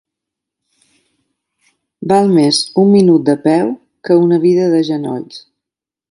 Val més un minut de peu que una vida de genolls.